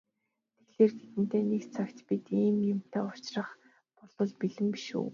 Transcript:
Тэгэхлээр тэдэнтэй нэгэн цагт бид ийм юмтай учрах болбол бэлэн биш үү?